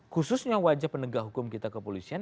khususnya wajah penegak hukum kita kepolisian